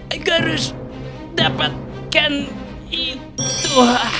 aku harus dapatkan itu